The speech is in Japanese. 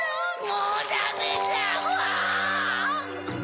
もうダメだうわん！